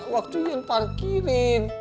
waktu yang parkirin